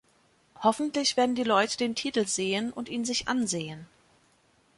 Hoffentlich werden die Leute den Titel sehen und ihn sich ansehen.